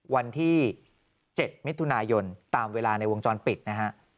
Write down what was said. วันที่๗มิถุนายนตามเวลาในวงจรปิดนะฮะ